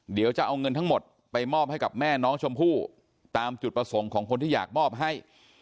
เดี๋ยวจะเอาเงินทั้งหมดไปมอบให้กับแม่น้องชมพู่ตามจุดประสงค์ของคนที่อยากมอบให้